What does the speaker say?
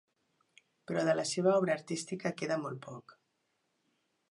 Però de la seva obra artística queda molt poc.